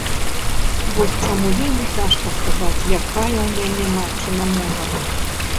Вось чаму вельмі цяжка сказаць, якая ў мяне матчына мова.